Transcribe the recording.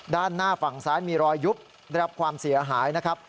ด้านหน้าฝั่งซ้ายมีรอยยุบได้รับความเสียหายนะครับ